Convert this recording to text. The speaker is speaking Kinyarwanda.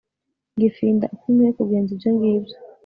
ngifinda uko nkwiye kugenza ibyo ngibyo